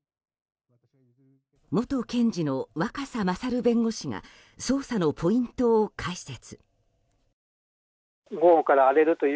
元検事の若狭勝弁護士が捜査のポイントを解説。